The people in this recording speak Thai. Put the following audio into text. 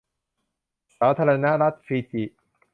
สาธารณรัฐฟิจิ